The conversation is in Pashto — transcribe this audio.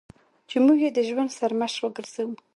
چې موږ یې د ژوند سرمشق وګرځوو.